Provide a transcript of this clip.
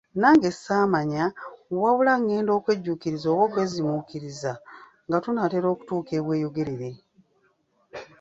Nange saamanya, wabula ngenda okwejjuukiriza oba okweziimuukiriza nga tunaatera n'okutuuka e Bweyogerere.